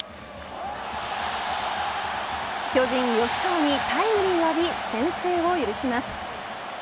巨人、吉川にタイムリーを浴び先制を許します。